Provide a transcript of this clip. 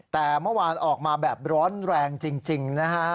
แต่เมื่อวานออกมาแบบร้อนแรงจริงนะฮะ